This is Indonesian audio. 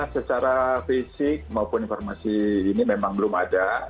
secara fisik maupun informasi ini memang belum ada